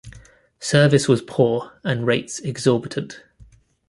Service was poor and rates exorbitant.